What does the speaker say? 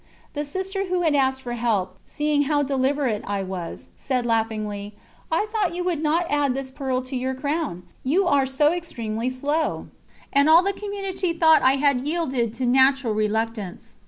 The Sister who had asked for help, seeing how deliberate I was, said laughingly: "I thought you would not add this pearl to your crown, you are so extremely slow," and all the Community thought I had yielded to natural reluctance.